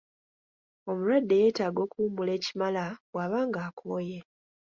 Omulwadde yeetaaga okuwummula ekimala bw’aba ng’akooye.